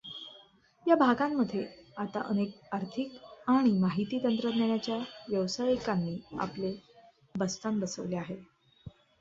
या भागांमधे आता अनेक आर्थिक आणि माहिती तंत्रज्ञानाच्या व्यवसायिकांनी आपले बस्तान बसवले आहे.